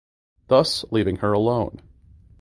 Thus leaving her alone.